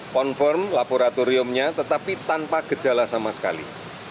confirm laboratoriumnya tetapi tanpa gejala sama sekali